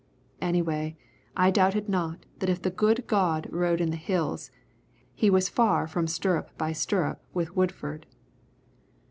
Anyway I doubted not that if the good God rode in the Hills, He was far from stirrup by stirrup with Woodford.